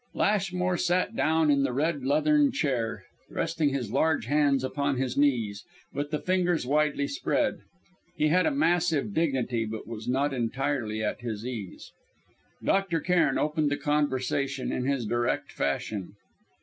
Lashmore sat down in the red leathern armchair, resting his large hands upon his knees, with the fingers widely spread. He had a massive dignity, but was not entirely at his ease. Dr. Cairn opened the conversation, in his direct fashion.